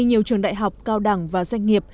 nhiều trường đại học cao đẳng và doanh nghiệp